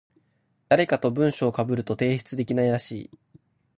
誰かと文章被ると提出できないらしい。